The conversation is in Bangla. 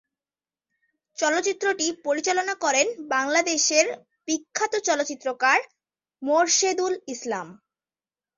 চলচ্চিত্রটি পরিচালনা করেন বাংলাদেশের বিখ্যাত চলচ্চিত্রকার মোরশেদুল ইসলাম।